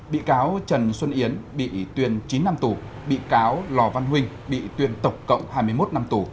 bị cáo trần xuân yến bị tuyên chín năm tù bị cáo lò văn huynh bị tuyên tộc cộng hai mươi một năm tù